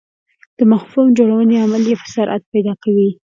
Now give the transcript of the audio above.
د مفهوم جوړونې عمل یې سرعت پیدا کوي.